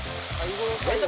よいしょ。